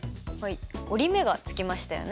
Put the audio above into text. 折り目がつきましたよね。